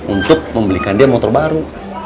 untuk membelikan dia motor baru